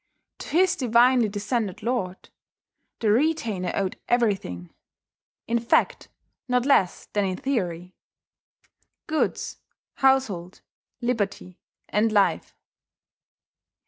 To his divinely descended lord, the retainer owed everything in fact, not less than in theory: goods, household, liberty, and life.